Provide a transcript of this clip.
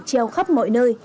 treo khắp mọi nơi